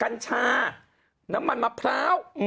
กัญชาน้ำมันมะพร้าว